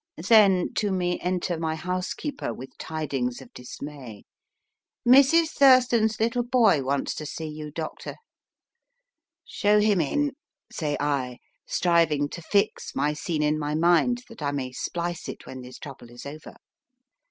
Then to me enter my housekeeper, with tidings of dismay. Mrs. Thurston s little boy wants to see you, doctor. Show him in, say I, striving to fix my scene in my mind that I may splice it when this trouble is over.